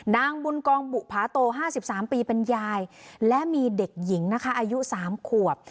นางบุญกองบุภาโต๕๓ปีเป็นยายและมีเด็กหญิงนะคะอายุ๓ขวบ